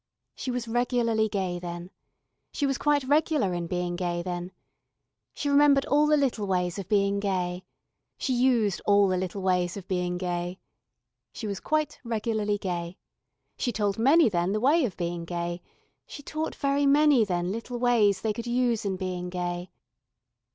She was regularly gay then. She was quite regular in being gay then. She remembered all the little ways of being gay. She used all the little ways of being gay. She was quite regularly gay. She told many then the way of being gay, she taught very many then little ways they could use in being gay.